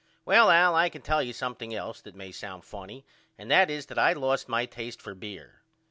Well Al I can tell you something else that may sound funny and that is that I lost my taste for beer.